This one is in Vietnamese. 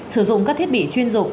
sử dụng các thiết bị chuyên dụng